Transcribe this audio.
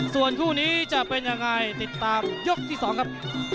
ส่วนคู่นี้จะเป็นยังไงติดตามยกที่๒ครับ